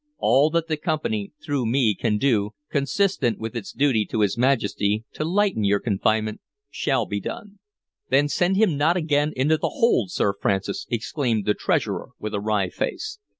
"All that the Company, through me, can do, consistent with its duty to his Majesty, to lighten your confinement shall be done" "Then send him not again into the hold, Sir Francis!" exclaimed the Treasurer, with a wry face.